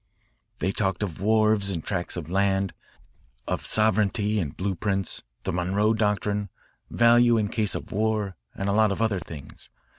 They talked of wharves and tracts of land, of sovereignty and blue prints, the Monroe Doctrine, value in case of war, and a lot of other things.